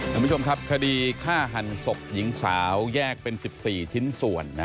คุณผู้ชมครับคดีฆ่าหันศพหญิงสาวแยกเป็น๑๔ชิ้นส่วน